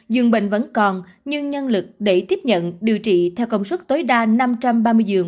dường bệnh vẫn còn nhưng nhân lực để tiếp nhận điều trị theo công suất tối đa năm trăm ba mươi giường